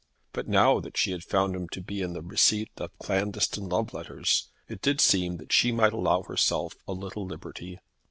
But now that she had found him to be in the receipt of clandestine love letters, it did seem that she might allow herself a little liberty.